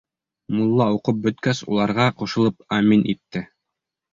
Мулла уҡып бөткәс, уларға ҡушылып амин итте.